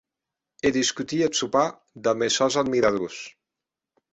E discutie eth sopar damb es sòns admiradors.